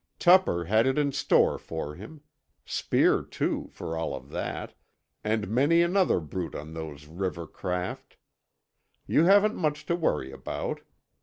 Tupper had it in store for him; Speer too, for all of that, and many another brute on those river craft. You haven't much to worry about.